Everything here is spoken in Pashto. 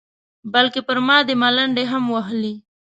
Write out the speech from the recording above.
بلکې پر ما دې ملنډې هم وهلې.